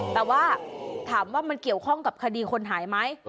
แต่ว่าถามว่ามันเกี่ยวข้องกับคดีคนหายไหม